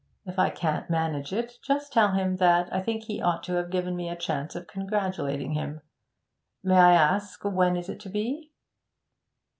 If I can't manage it, just tell him that I think he ought to have given me a chance of congratulating him. May I ask when it is to be?'